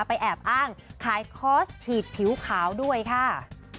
แอบอ้างขายคอร์สฉีดผิวขาวด้วยค่ะ